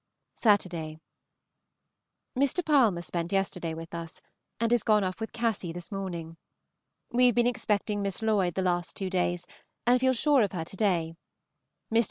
Saturday. Mr. Palmer spent yesterday with us, and is gone off with Cassy this morning. We have been expecting Miss Lloyd the last two days, and feel sure of her to day. Mr.